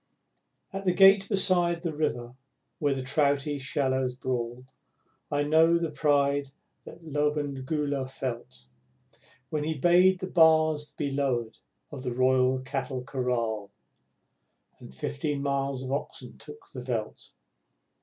At the gate beside the river where the trouty shallows brawl, I know the pride that Lobengula felt, When he bade the bars be lowered of the Royal Cattle Kraal, And fifteen miles of oxen took the veldt.